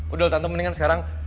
udah tante mendingan sekarang